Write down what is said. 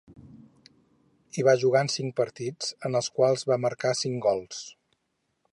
Hi va jugar en cinc partits, en els quals marcà cinc gols.